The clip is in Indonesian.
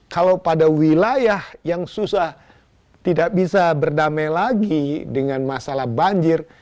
kalau pada wilayah yang susah tidak bisa berdamai lagi dengan masalah banjir